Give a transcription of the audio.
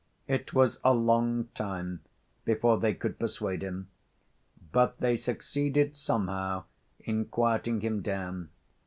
It was a long time before they could persuade him. But they succeeded somehow in quieting him down.